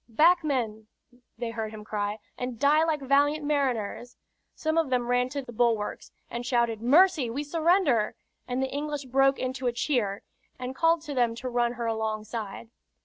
"Back, men!" they heard him cry, "and die like valiant mariners." Some of them ran to the bulwarks, and shouted "Mercy! We surrender!" and the English broke into a cheer and called to them to run her alongside.